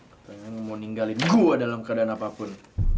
katanya mau ninggalin gua dalam keadaan apapun